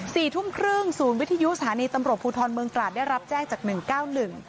สี่ทุ่มครึ่งศูนย์วิทยุสถานีตำรวจภูทรเมืองตราดได้รับแจ้งจากหนึ่งเก้าหนึ่ง